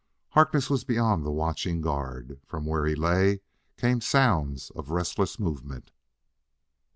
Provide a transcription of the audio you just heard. Harkness was beyond the watching guard; from where he lay came sounds of restless movement.